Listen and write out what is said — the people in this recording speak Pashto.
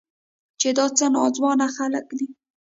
چې دا څه ناځوانه خلق دي.